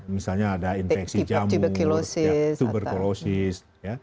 misalnya ada infeksi jamur tuberkulosis